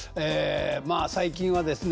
まあ最近はですね